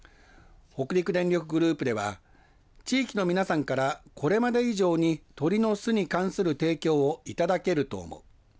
北陸電力グループでは地域の皆さんからこれまで以上に鳥の巣に関する提供をいただけると思う。